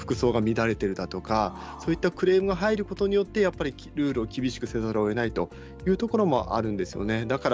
服装が乱れているとか、そういったクレームが入ることによって厳しくせざるをえないというところもあるんです。